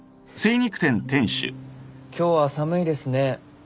・今日は寒いですね。